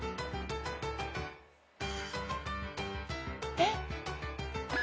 えっ？